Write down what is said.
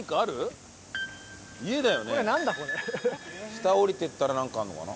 下下りていったらなんかあるのかな？